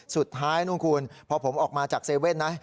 สุดท้ายพอผมออกมาจากเซเว่นนะ